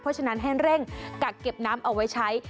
เพราะฉะนั้นให้เร่งกักเก็บน้ำเอาไว้ใช้